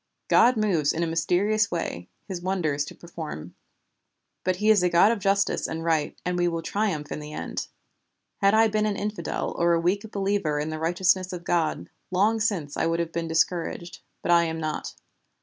'God moves in a mysterious way His wonders to perform,' but He is a God of Justice and Right, and we will triumph in the end. Had I been an infidel or a weak believer in the righteousness of God, long since I would have been discouraged, but I am not.